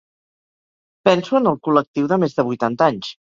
Penso en el col·lectiu de més de vuitanta anys.